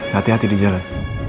hati hati di jalan